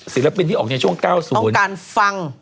ศิลปินที่ออกในช่วง๙๐ต้องการฟัง